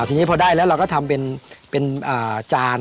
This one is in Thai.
ทีนี้พอได้แล้วเราก็ทำเป็นจาน